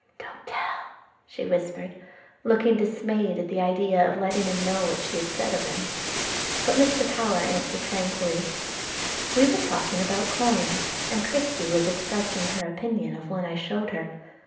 "Don't tell," she whispered, looking dismayed at the idea of letting him know what she had said of him. But Mr. Power answered tranquilly: "We were talking about coins, and Christie was expressing her opinion of one I showed her.